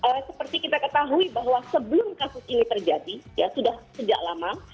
ya seperti kita ketahui bahwa sebelum kasus ini terjadi ya sudah sejak lama